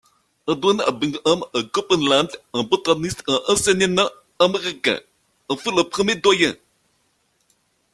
Edwin Bingham Copeland, un botaniste et enseignant américain, en fut le premier doyen.